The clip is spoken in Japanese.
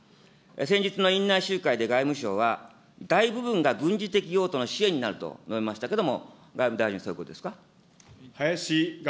先日の院内集会で外務省は、大部分が軍事的用途の支援になると述べましたけども、外務大臣、そういうことですか。